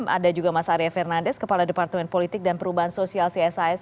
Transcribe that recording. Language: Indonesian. ada juga mas arya fernandes kepala departemen politik dan perubahan sosial csis